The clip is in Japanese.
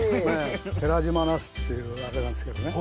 寺島ナスっていうあれなんですけどね。